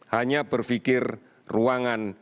hanya berpikir ruangan